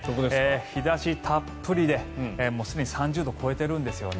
日差したっぷりで、もうすでに３０度を超えているんですよね。